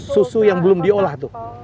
susu yang belum diolah tuh